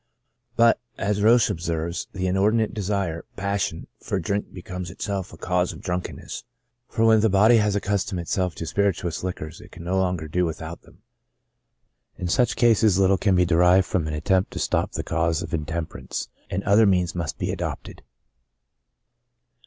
But, as Roesch observes, "The inordinate desire (pass ion) for drink becomes itself a cause of drunkenness, for when the body has accustomed itself to spirituous liquors, it can no longer do without them." In such cases little can be derived from an attempt to stop the cause of intemper ance, and other means must be adopted.